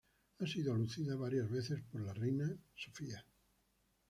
Ha sido lucida varias veces por la reina reina Sofía.